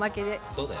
そうだよね。